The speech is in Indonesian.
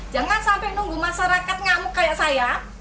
jangan sampai nunggu masyarakat ngamuk kayak saya